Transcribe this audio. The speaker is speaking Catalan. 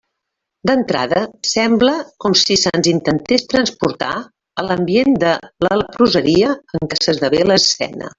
D'entrada sembla com si se'ns intentés transportar a l'ambient de la leproseria en què s'esdevé l'escena.